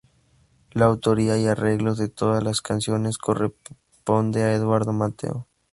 La autoría y arreglos de todas las canciones corresponde a Eduardo Mateo.